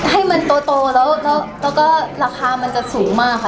ให้มันโตแล้วก็ราคามันจะสูงมากค่ะ